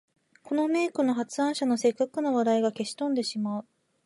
この名句の発案者の折角の笑いが消し飛んでしまう